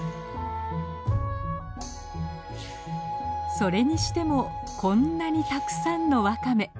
それにしてもこんなにたくさんのワカメ。